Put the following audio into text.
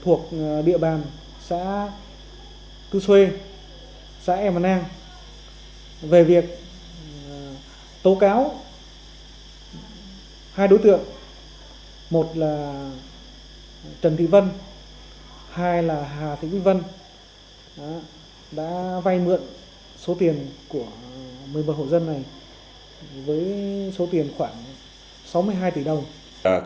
ở địa bàn xã cư xuê xã em văn an về việc tố cáo hai đối tượng một là trần thị vân hai là hà thị vân đã vay mượn số tiền của một mươi một hộ dân này với số tiền khoảng sáu mươi hai tỷ đồng